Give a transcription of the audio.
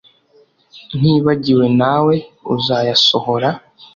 ntibagiwe nawe uzayasohora